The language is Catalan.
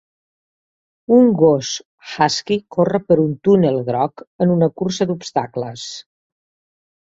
un gos husky corre per un túnel groc en una cursa d'obstacles.